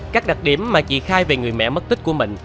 các đặc điểm mà chị khai về người mẹ mất tích của mình